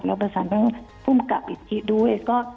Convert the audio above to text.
แล้วประสานทั้งผู้กับอีกทีด้วยก็